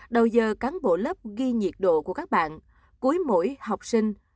đầu giờ cán bộ lớp ghi nhiệt độ của các bạn cuối mỗi học sinh